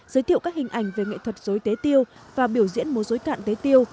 giới thiệu các hình ảnh về nghệ thuật dối tế tiêu và biểu diễn múa dối cạn tế tiêu